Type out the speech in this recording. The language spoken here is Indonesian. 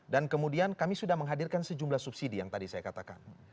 dan kemudian kami sudah menghadirkan sejumlah subsidi yang tadi saya katakan